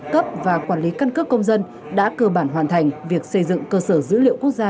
cấp và quản lý căn cước công dân đã cơ bản hoàn thành việc xây dựng cơ sở dữ liệu quốc gia